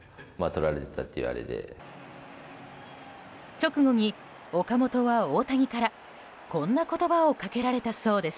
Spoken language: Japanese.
直後に岡本は大谷から、こんな言葉をかけられたそうです。